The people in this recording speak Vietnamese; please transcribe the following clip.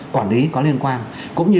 quản lý có liên quan cũng như